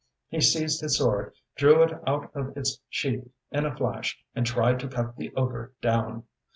He seized his sword, drew it out of its sheath in a flash, and tried to cut the ogre down.